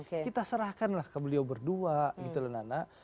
kita serahkan lah ke beliau berdua gitu loh nana